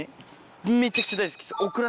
めちゃくちゃ大好きっすオクラ。